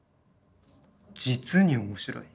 実に面白い。